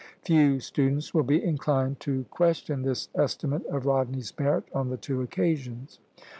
" Few students will be inclined to question this estimate of Rodney's merit on the two occasions.